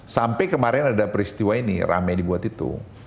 sampai kemarin ada peristiwa ini rame dibuat itu